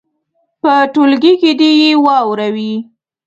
په ټولګي کې دې یې واوروي.